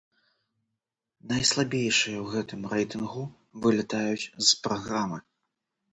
Найслабейшыя ў гэтым рэйтынгу вылятаюць з праграмы.